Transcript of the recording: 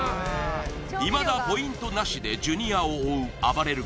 いまだポイントなしでジュニアを追うあばれる